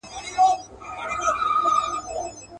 د پاچا له فقیرانو سره څه دي؟.